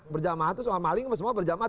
berjamaah itu semua maling semua berjamaah